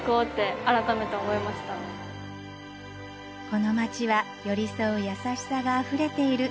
この街は寄り添う優しさがあふれている